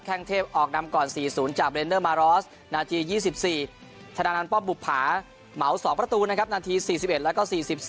งเทพออกนำก่อน๔๐จากเรนเดอร์มารอสนาที๒๔ธนานันป้อมบุภาเหมา๒ประตูนะครับนาที๔๑แล้วก็๔๔